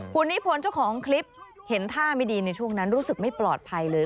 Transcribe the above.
คุณนิพนธ์เจ้าของคลิปเห็นท่าไม่ดีในช่วงนั้นรู้สึกไม่ปลอดภัยเลย